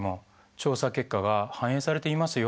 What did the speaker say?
調査結果が反映されていますよ。